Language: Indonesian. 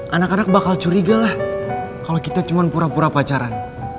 anak anak bakal curiga lah kalau kita cuma pura pura pacaran